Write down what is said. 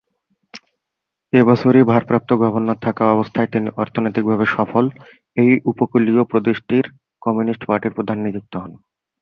এ বছরই ভারপ্রাপ্ত গভর্নর থাকা অবস্থায় তিনি অর্থনৈতিকভাবে সফল এই উপকূলীয় প্রদেশটির কমিউনিস্ট পার্টির প্রধান নিযুক্ত হন।